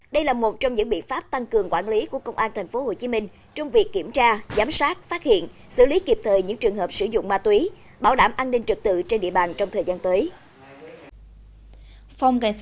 đây là một trong những biện pháp tăng cường quản lý của công an tp hcm trong việc kiểm tra giám sát phát hiện xử lý kịp thời những trường hợp sử dụng ma túy bảo đảm an ninh trực tự trên địa bàn trong thời gian tới